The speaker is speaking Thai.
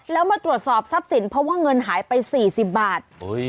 แล้วมาตรวจสอบทรัพย์สินเพราะว่าเงินหายไป๔๐บาท